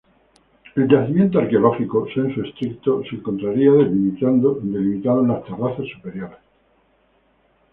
El yacimiento arqueológico, sensu stricto, se encontraría delimitado en las terrazas superiores.